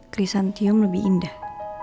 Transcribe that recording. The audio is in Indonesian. krisantium lebih indah